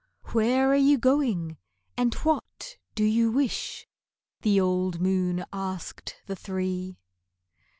"Where are you going, and what do you wish?" The old moon asked the three.